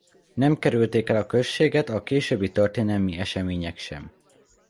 Nem kerülték el a községet a későbbi történelmi események sem.